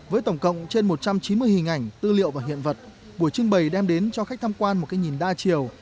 với tổng cộng trên một trăm chín mươi hình ảnh tư liệu và hiện vật buổi trưng bày đem đến cho khách tham quan một cái nhìn đa chiều